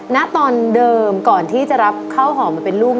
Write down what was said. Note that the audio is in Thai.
ณตอนเดิมก่อนที่จะรับข้าวหอมมาเป็นลูก